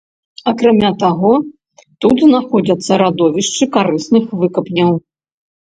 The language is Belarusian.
Акрамя таго, тут знаходзяцца радовішчы карысных выкапняў.